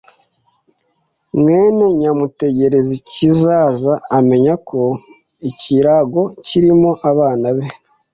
Mwene Nyamutegerikizaza amenya ko ikirago kirimo abana be